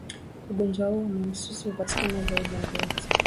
Ugonjwa huu kwa mahususi huwapata zaidi mbuzi